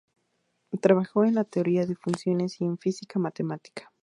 Trabajó en la teoría de funciones y en física matemática.